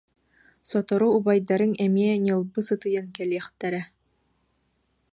Сотору убай- дарыҥ эмиэ ньылбы сытыйан кэлиэхтэрэ